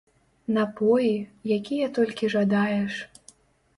Напоі, якія толькі жадаеш.